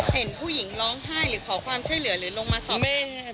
เห็นผู้หญิงร้องไห้หรือขอความช่วยเหลือหรือลงมาสอบเอง